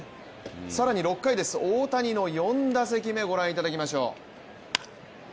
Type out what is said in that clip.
更に６回、大谷の４打席目ご覧いただきましょう。